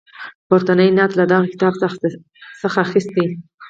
پورتنی نعت له دغه کتاب څخه اخیستی.